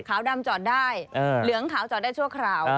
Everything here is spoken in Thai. ขาวดำจอดได้เหลืองขาวจอดได้ชั่วคราว